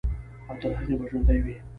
او تر هغې به ژوندے وي،